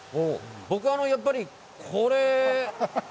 僕はやっぱりこれ。